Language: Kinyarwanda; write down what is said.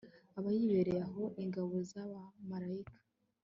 Aba yibereye aho ingabo zabamarayika